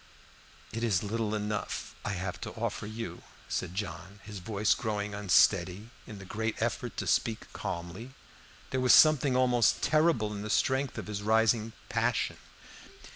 "It is little enough I have to offer you," said John, his voice growing unsteady in the great effort to speak calmly. There was something almost terrible in the strength of his rising passion.